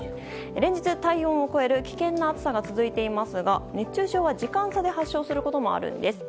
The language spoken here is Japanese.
連日体温を超える危険な暑さが続いていますが熱中症は時間差で発症することもあるんです。